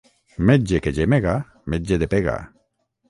Metge que gemega, metge de pega.